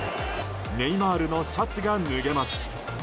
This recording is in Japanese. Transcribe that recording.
ネイマールのシャツが脱げます。